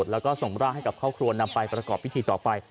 แล้วก็ส่งร่างให้กับครอบครัวนำไปประกอบพิธีต่อไป